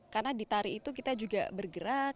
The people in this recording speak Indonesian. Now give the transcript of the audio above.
karena di tari itu kita juga bergerak